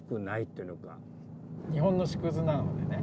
日本の縮図なのでね。